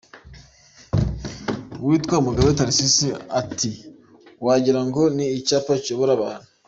Uwitwa Mugabe Tharcisse ati “Wagira ngo ni icyapa kiyobora abantu.